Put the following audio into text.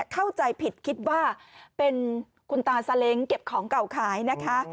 เข้าใจผิดคิดว่าเป็นคุณตาซาเล้งเก็บของเก่าขายนะคะ